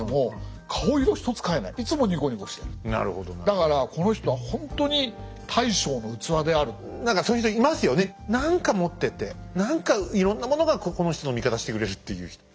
だからこの人は何かそういう人いますよね何か持ってて何かいろんなものがこの人の味方してくれるっていう人。